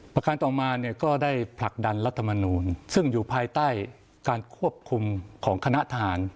ประการต่อมาเนี่ยก็ได้ผลักดันรัฐมนูลซึ่งอยู่ภายใต้การควบคุมของคณะทหาร